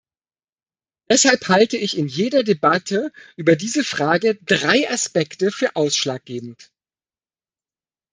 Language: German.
Deshalb halte ich in jeder Debatte über diese Frage drei Aspekte für ausschlaggebend.